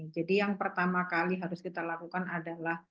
jadi yang pertama kali harus kita lakukan adalah